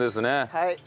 はい。